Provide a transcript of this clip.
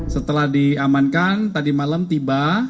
setelah diamankan tadi malam tiba